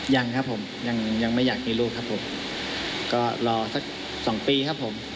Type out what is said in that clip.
ยังครับผมยังยังไม่อยากมีลูกครับผมก็รอสักสองปีครับผม